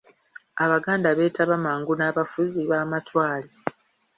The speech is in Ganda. Abaganda beetaba mangu n'abafuzi b'amatwale .